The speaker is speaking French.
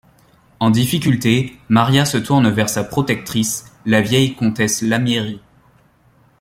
En difficulté, Maria se tourne vers sa protectrice, la vieille comtesse Lamieri.